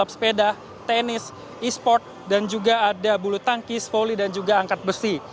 sepeda tenis e sport dan juga ada bulu tangkis poli dan juga angkat besi